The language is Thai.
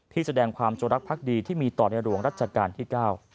แสดงความจงรักภักดีที่มีต่อในหลวงรัชกาลที่๙